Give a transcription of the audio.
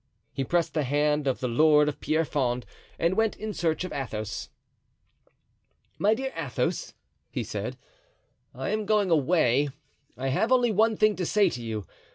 He pressed the hand of the lord of Pierrefonds and went in search of Athos. "My dear Athos," he said, "I am going away. I have only one thing to say to you.